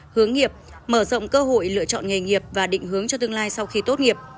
hướng nghiệp mở rộng cơ hội lựa chọn nghề nghiệp và định hướng cho tương lai sau khi tốt nghiệp